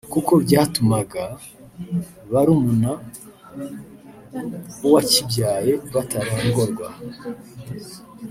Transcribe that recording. kuko byatumaga barumuna b’uwakibyaye batarongorwa